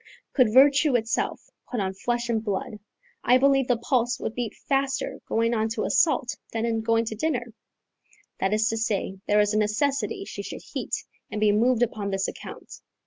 Could virtue itself put on flesh and blood, I believe the pulse would beat faster going on to assault than in going to dinner: that is to say, there is a necessity she should heat and be moved upon this account.